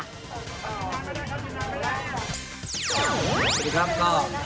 สวัสดีครับ